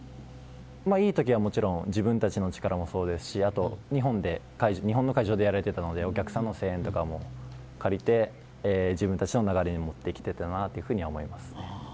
いいときは自分たちの力もそうですし日本の会場でやれていたのでお客さんの声援とかも借りて自分たちの流れに持っていけたらと思います。